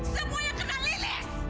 semuanya karena lilis